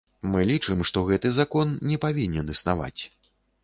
Мы лічым, што гэты закон не павінен існаваць.